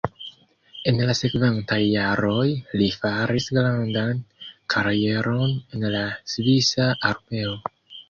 En la sekvantaj jaroj li faris grandan karieron en la Svisa Armeo.